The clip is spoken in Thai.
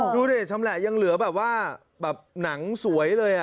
ดูดิชำแหละยังเหลือแบบว่าแบบหนังสวยเลย